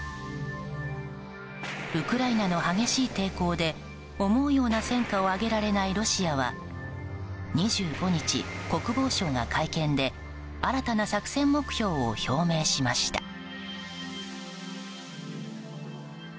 ウクライナの激しい抵抗で思うような戦果を挙げられないロシアは２５日、国防省が会見で新たな作戦目標を表明しました。